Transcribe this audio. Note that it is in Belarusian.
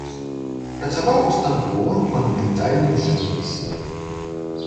Працаваў у станковым і манументальным жывапісе.